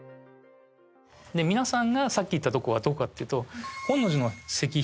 皆さんがさっき行ったとこはどこかっていうと。